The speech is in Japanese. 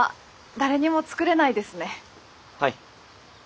はい。